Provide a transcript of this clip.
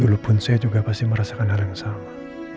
dulu pun saya juga pasti merasakan hal yang sama